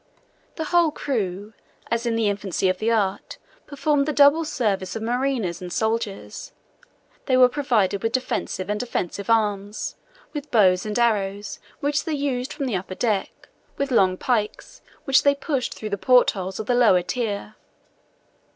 The whole crew, as in the infancy of the art, performed the double service of mariners and soldiers; they were provided with defensive and offensive arms, with bows and arrows, which they used from the upper deck, with long pikes, which they pushed through the portholes of the lower tier.